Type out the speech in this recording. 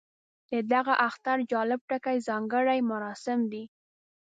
د دغه اختر جالب ټکی ځانګړي مراسم دي.